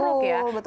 betul betul sekali